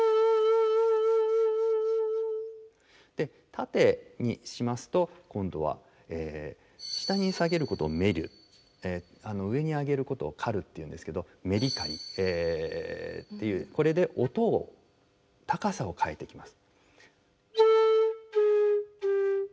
縦にしますと今度は下に下げることを「沈る」上に上げることを「浮る」っていうんですけどメリカリっていうこれで音を高さを変えていきます。